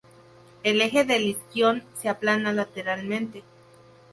El eje del isquion se aplana lateralmente.